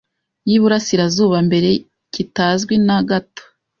y'Iburasirazuba mbere kitazwi na gato.